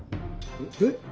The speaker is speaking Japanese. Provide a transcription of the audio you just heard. えっ？